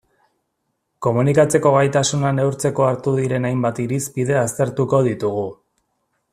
Komunikatzeko gaitasuna neurtzeko hartu diren hainbat irizpide aztertuko ditugu.